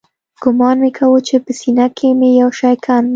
ګومان مې کاوه چې په سينه کښې مې يو شى کم دى.